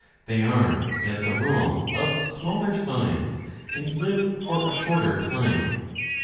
They are, as a rule, of smaller* size, and live for a shorter time.'